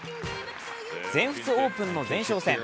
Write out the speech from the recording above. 全仏オープンの前哨戦。